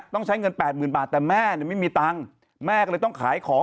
ต้องใช้เงินแปดหมื่นบาทแต่แม่ไม่มีตังค์แม่ก็เลยต้องขายของ